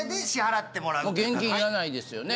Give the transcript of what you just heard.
もう現金いらないですよね。